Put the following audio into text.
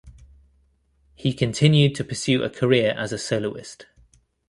He continued to pursue a career as a soloist.